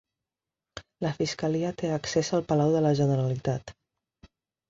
La Fiscalia té accés al Palau de la Generalitat